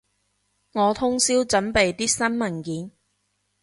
我通宵準備啲新文件